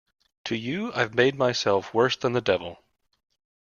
To you I’ve made myself worse than the devil.